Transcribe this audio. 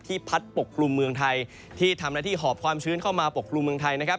พัดปกกลุ่มเมืองไทยที่ทำหน้าที่หอบความชื้นเข้ามาปกครุมเมืองไทยนะครับ